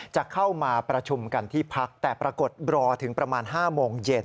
จะเข้ามาประชุมกันที่พักแต่ปรากฏรอถึงประมาณ๕โมงเย็น